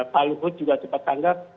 pak luhut juga cepat tanggap